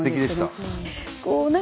いやすてきでした。